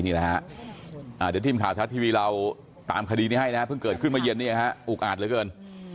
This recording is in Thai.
เดี๋ยวทีมขาวทัศน์ทีวีเราตามคดีให้นะเพิ่งเกิดขึ้นมายืนอุ้งอ่าน